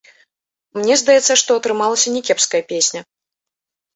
Мне здаецца, што атрымалася някепская песня.